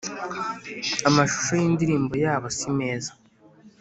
amashusho y’indirimbo yabo simeza,